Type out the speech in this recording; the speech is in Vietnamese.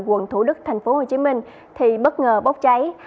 quận thủ đức tp hcm thì bất ngờ bốc cháy